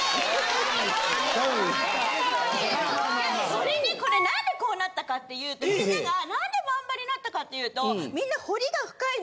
これね何でこうなったかっていうとみんなが何でマンバになったかっていうと。